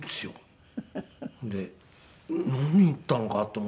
で何言ったのかと思って。